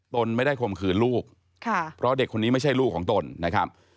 ตนไม่ได้ข่มขืนลูกค่ะเพราะเด็กคนนี้ไม่ใช่ลูกของตนนะครับ